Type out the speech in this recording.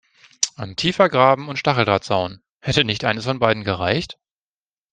Ein tiefer Graben und Stacheldrahtzaun – hätte nicht eines von beidem gereicht?